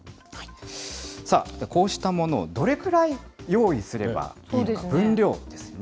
さあ、こうしたものをどれぐらい用意すればいいのか、分量ですね。